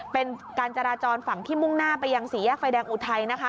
เป็นการจราจรฝั่งที่มุ่งหน้าไปยังสี่แยกไฟแดงอุทัยนะคะ